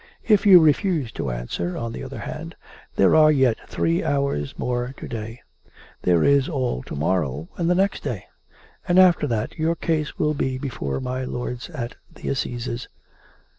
If you refuse to answer, on the other hand, there are yet three hours more to day; there is all to morrow, and the next day. And, after that, your case will be before my lords at the Assizes.